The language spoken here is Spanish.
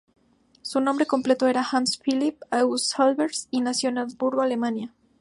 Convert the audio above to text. Su nombre completo era Hans Philipp August Albers, y nació en Hamburgo, Alemania.